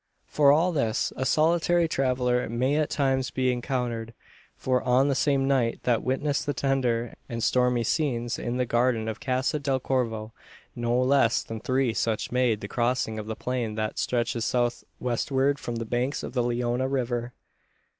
For all this, a solitary traveller may at times be encountered: for on the same night that witnessed the tender and stormy scenes in the garden of Casa del Corvo, no less than three such made the crossing of the plain that stretches south westward from the banks of the Leona River.